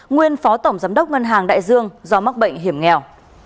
nguyên phó tổng giám đốc ngân hàng đại dương do mắc bệnh hiểm nghèo